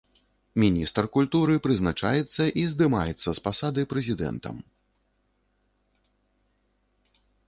Міністр культуры прызначаецца і здымаецца з пасады прэзідэнтам.